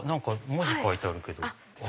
文字書いてあるけど。